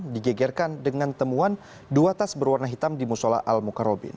digegerkan dengan temuan dua tas berwarna hitam di musola al mukarobin